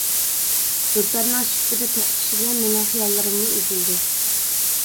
دۇتارنىڭ شىپپىدە توختىشى بىلەن مېنىڭ خىياللىرىممۇ ئۈزۈلدى.